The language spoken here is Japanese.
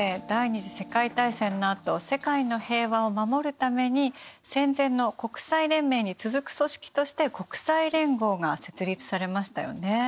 第二次世界大戦のあと世界の平和を守るために戦前の国際連盟に続く組織として国際連合が設立されましたよね。